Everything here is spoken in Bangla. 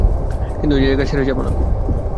কিন্তু এই জায়গা ছেড়ে যাবো না।